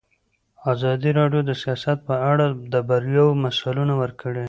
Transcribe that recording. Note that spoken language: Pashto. ازادي راډیو د سیاست په اړه د بریاوو مثالونه ورکړي.